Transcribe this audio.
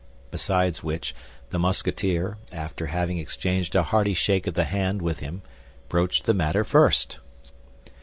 Besides which, the Musketeer, after having exchanged a hearty shake of the hand with him, broached the matter first.